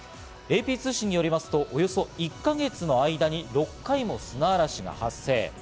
ＡＰ通信によりますと、およそ１か月の間に６回も砂嵐が発生。